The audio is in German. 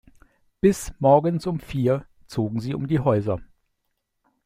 Bis morgens um vier zogen sie um die Häuser.